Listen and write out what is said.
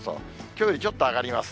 きょうよりちょっと上がります。